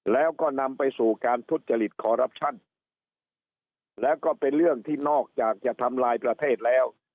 แล้วก็นำไปสู่การทุจริตคอรัปชั่นแล้วก็เป็นเรื่องที่นอกจากจะทำลายประเทศแล้ว